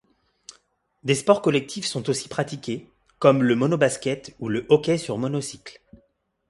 Des sports collectifs sont aussi pratiqués, comme le mono-basket ou le hockey sur monocycle.